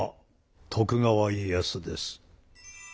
徳川家康です。